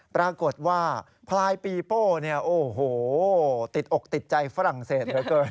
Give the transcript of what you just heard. ปรากฏว่าพลายปีโป้เนี่ยโอ้โหติดอกติดใจฝรั่งเศสเหลือเกิน